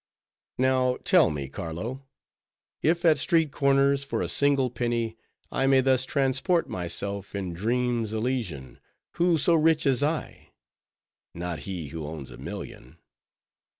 Now, tell me, Carlo, if at street corners, for a single penny, I may thus transport myself in dreams Elysian, who so rich as I? Not he who owns a million.